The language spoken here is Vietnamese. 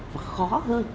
và khó hơn